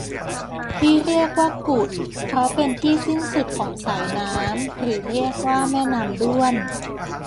ที่เรียกว่ากุดเพราะเป็นที่สิ้นสุดของสายน้ำหรือเรียกว่าแม่น้ำด้วน